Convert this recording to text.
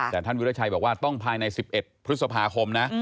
แต่ท่านวิราชัยบอกว่าต้องภายใน๑๑พฤษภาคมนะ